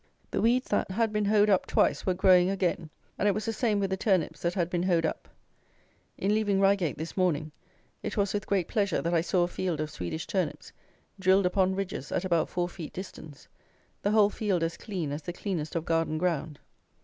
The weeds that had been hoed up twice were growing again, and it was the same with the turnips that had been hoed up. In leaving Reigate this morning, it was with great pleasure that I saw a field of Swedish turnips, drilled upon ridges at about four feet distance, the whole field as clean as the cleanest of garden ground.